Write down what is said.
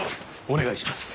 お願いします。